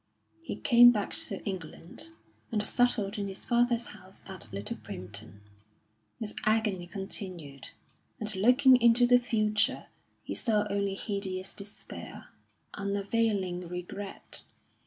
He came back to England, and settled in his father's house at Little Primpton. His agony continued, and looking into the future, he saw only hideous despair, unavailing regret.